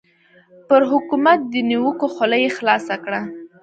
پر حکومت د نیوکو خوله یې خلاصه کړه.